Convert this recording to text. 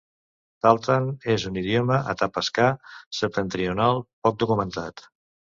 Tahltan és un idioma atapascà septentrional poc documentat.